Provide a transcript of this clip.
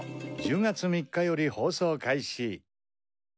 １０月３日より放送開始。